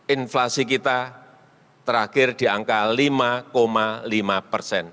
inflasi kita terakhir di angka lima lima persen